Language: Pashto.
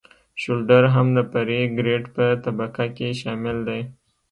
شولډر هم د فرعي ګریډ په طبقه کې شامل دی